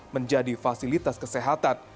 menjadi fasilitas kesehatan